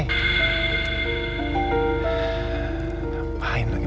ngapain lagi pake senyum senyum